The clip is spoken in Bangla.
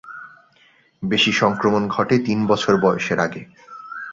বেশি সংক্রমণ ঘটে তিন বছর বয়সের আগে।